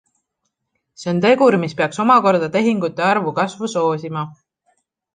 See on tegur, mis peaks omakorda tehingute arvu kasvu soosima.